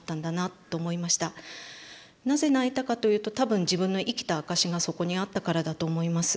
なぜ泣いたかというと多分自分の生きた証しがそこにあったからだと思います。